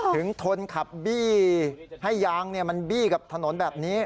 ทนขับบี้ให้ยางมันบี้กับถนนแบบนี้